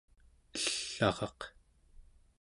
ell'araq